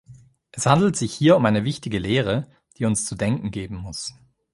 Es handelt sich hier um eine wichtige Lehre, die uns zu denken geben muss.